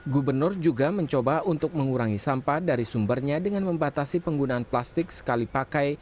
gubernur juga mencoba untuk mengurangi sampah dari sumbernya dengan membatasi penggunaan plastik sekali pakai